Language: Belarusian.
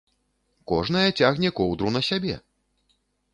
Кожная цягне коўдру на сябе!